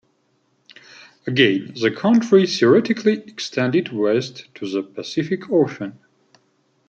Again, the county theoretically extended west to the Pacific Ocean.